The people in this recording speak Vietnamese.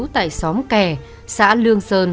tại xóm kè xã lương sơn